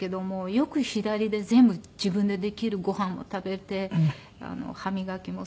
よく左で全部自分でできるご飯も食べて歯磨きもそうですし。